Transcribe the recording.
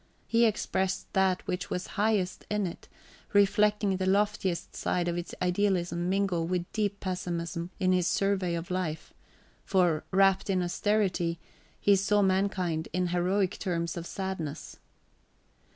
He expressed that which was highest in it, reflecting the loftiest side of its idealism mingled with deep pessimism in his survey over life; for, wrapped in austerity, he saw mankind in heroic terms of sadness.